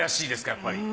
やっぱり。